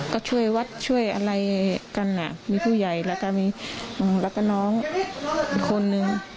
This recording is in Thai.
ก็ช่วยวัดช่วยอะไรกันมีผู้ใหญ่แล้วก็มีแล้วก็น้องอีกคนนึง